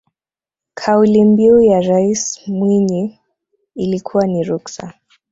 kauli mbiu ya rais mwinyi ilikuwa ni ruksa